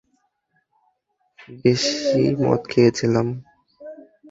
বেশিই মদ খেয়েছিলাম।